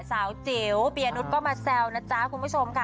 สาวจิ๋วเปียนุษย์ก็มาแซวนะจ๊ะคุณผู้ชมค่ะ